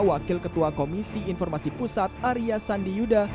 wakil ketua komisi informasi pusat arya sandi yuda